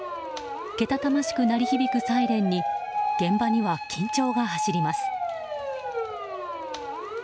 けたたましく鳴り響くサイレンに現場には緊張が走ります。